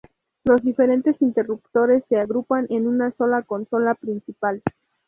Los diferentes interruptores se agrupan en una sola consola principal.